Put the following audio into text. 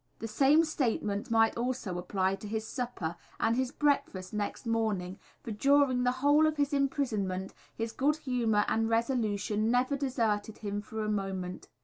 _" The same statement might also apply to his supper, and his breakfast next morning, for during the whole of his imprisonment his good humour and resolution never deserted him for a moment.